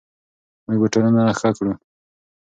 موږ به ټولنه ښه کړو.